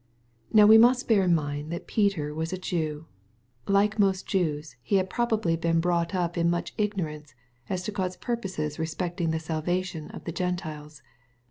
Now we must bear in mind that Peter was a Jew. Like most Jews, he bad probably been brought up in much ignorance as to God's purposes respecting the salvation of the Gentiles.